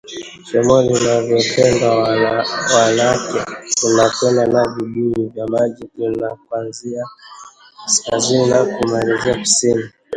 Shomoo linavyotendwa wanake tunakwenda na vibuyu vya maji tunakwazia kasikazini na kumalizia kusini